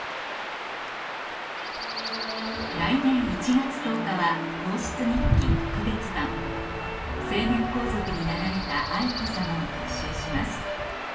来年１月１０日は『皇室日記』特別版成年皇族になられた愛子さまを特集します